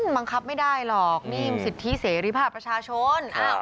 บังคับไม่ได้หรอกนี่มันสิทธิเสรีภาพประชาชน